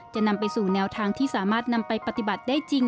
จะนำไปสู่แนวทางที่สามารถนำไปปฏิบัติได้จริง